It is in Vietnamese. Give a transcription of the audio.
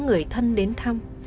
người thân đến thăm